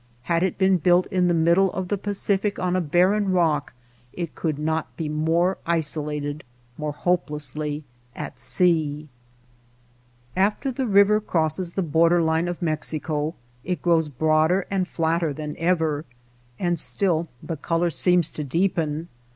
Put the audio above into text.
Had it been built in the middle of the Pacific on a barren rock it could not be more isolated, more hopelessly ^^ at sea/^ After the river crosses the border line of Mexico it grows broader and flatter than ever. And still the color seems to deepen.